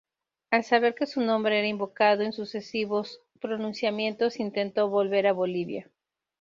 Al saber que su nombre era invocado en sucesivos pronunciamientos, intentó volver a Bolivia.